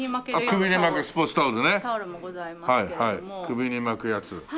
首に巻くやつ。